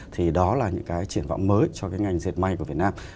thì đó là những cái triển vọng mới cho cái ngành dệt may của việt nam